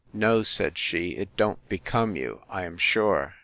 —No, said she, it don't become you, I am sure.